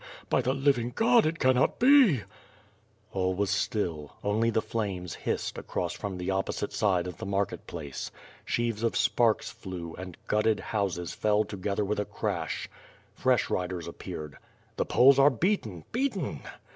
By the living God, it can not bel" All was still. ... Only the flames hissed across from the opposite side of the market place. Sheaves of sparks flew, and gutted houses fell together with a crash. Fresh riders appeared. The Poles are beaten! Beaten!